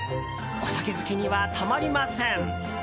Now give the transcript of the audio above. お酒好きには、たまりません！